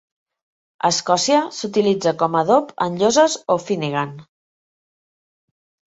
A Escòcia, s'utilitza com a adob en lloses o "feannagan".